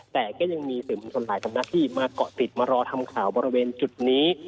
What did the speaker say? แต่ก็ยังมีสื่อมวลชนหลายสำนักที่มาเกาะติดมารอทำข่าวบริเวณจุดนี้